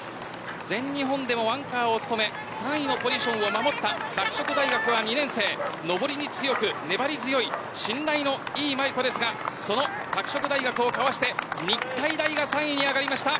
全日本でもアンカーを務め３位のポジションを守った拓殖大学は２年生上りに強く粘り強い信頼の伊井萌佑子ですが拓殖大学をかわして日体大が３位に上がりました。